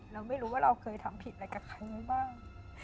เราไม่รู้ว่าเราเคยทำผิดอะไรกับใครไว้บ้าง